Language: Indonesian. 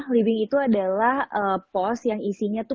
living itu adalah pos yang isinya tuh